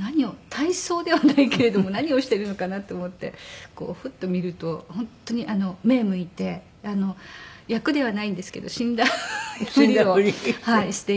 何を体操ではないけれども何をしているのかなと思ってこうふっと見ると本当に目をむいて役ではないんですけど死んだふりをしていて。